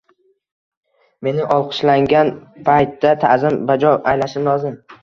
— Meni olqishlashgan paytda ta’zim bajo aylashim lozim.